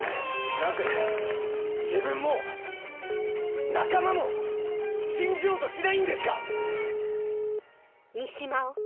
なぜ自分も仲間も信じようとしないんですか！